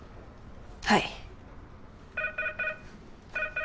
はい。